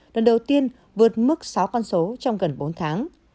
lần đầu tiên vượt mức sáu con số trong gần bốn tháng